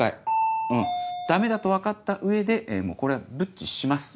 うんダメだと分かった上でもうこれはブッチします。